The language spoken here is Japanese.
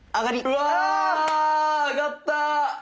うわあがった！